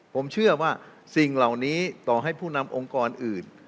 ผมเชื่อว่าสิ่งเหล่านี้ต่อให้ผู้นำองค์กรอื่น